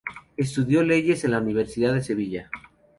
Estudió Leyes en la Universidad de Sevilla.